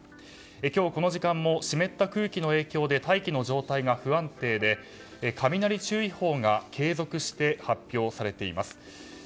今日この時間も湿った空気の影響で大気の状態が不安定で雷注意報が継続して発表されています。